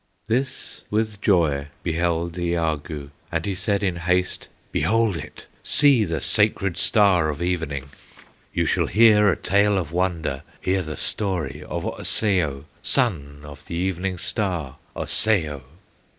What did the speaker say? This with joy beheld Iagoo And he said in haste: "Behold it! See the sacred Star of Evening! You shall hear a tale of wonder, Hear the story of Osseo, Son of the Evening Star, Osseo!